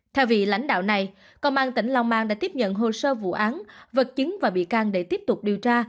theo vị lãnh đạo này công an tỉnh long an đã tiếp nhận hồ sơ vụ án vật chứng và bị can để tiếp tục điều tra